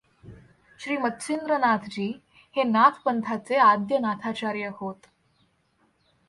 श्री मत्स्येंद्रनाथ जी हे नाथ पंथाचे आद्य नाथाचार्य होत.